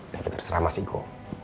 tidak terserah mas iko